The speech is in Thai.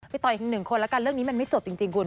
ต่ออีกหนึ่งคนแล้วกันเรื่องนี้มันไม่จบจริงคุณ